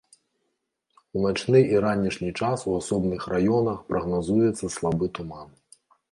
У начны і ранішні час у асобных раёнах прагназуецца слабы туман.